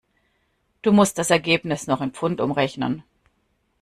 Du musst das Ergebnis noch in Pfund umrechnen.